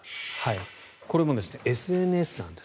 これは、ＳＮＳなんです。